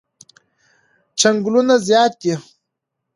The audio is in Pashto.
چنگلونه زیاد دی